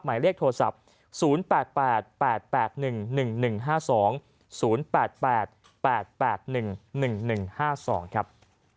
หมายเลขโทรศัพท์๐๘๘๘๑๑๑๕๒๐๘๘๑๑๑๕๒ครับ